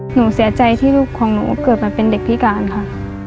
ทำให้ลูกของหนูเกิดมาเป็นเด็กพิการค่ะ